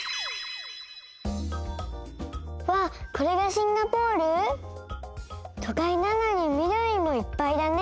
これがシンガポール？とかいなのにみどりもいっぱいだね。